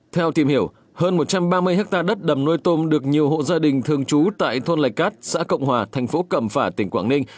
theo tìm hiểu hơn một trăm ba mươi hectare đất đầm nuôi tôm được nhiều hộ gia đình thường trú tại thôn lạch cát xã cộng hòa thành phố cẩm phả tỉnh quảng ninh